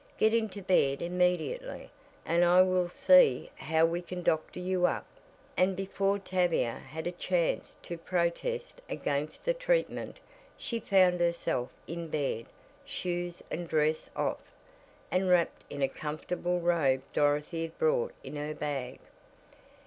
Get into bed immediately, and I will see how we can doctor you up," and before Tavia had a chance to protest against the "treatment" she found herself in bed, shoes and dress off, and wrapped in a comfortable robe Dorothy had brought in her bag.